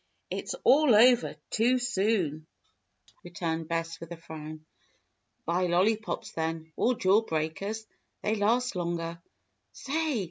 It's all over too soon," returned Bess, with a frown. "Buy lollypops, then or jaw breakers? They last longer." "Say!